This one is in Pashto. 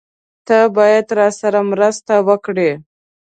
تۀ باید راسره مرسته وکړې!